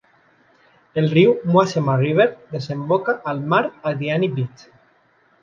El riu Mwachema River desemboca al mar a Diani Beach.